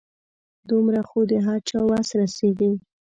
دومره خو د هر چا وس رسيږي .